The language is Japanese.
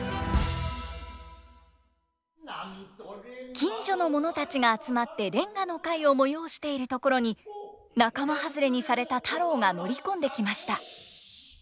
近所の者たちが集まって連歌の会を催しているところに仲間外れにされた太郎が乗り込んできました。